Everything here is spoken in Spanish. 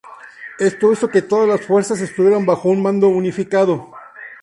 Esto hizo que todas las fuerzas estuvieran bajo un mando unificado.